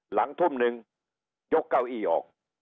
หลังทุ่มหนึ่งยกเก้าอี้ออก